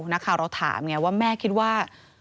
นักข่าวเราถามไงว่าแม่คิดว่า